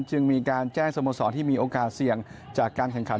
จึงมีการแจ้งสโมสรที่มีโอกาสเสี่ยงจากการแข่งขัน